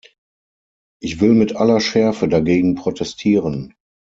Ich will mit aller Schärfe dagegen protestieren.